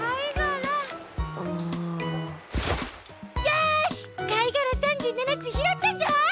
よしかいがら３７つひろったぞ！